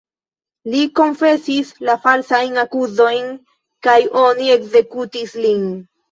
Li konfesis la falsajn akuzojn kaj oni ekzekutis lin.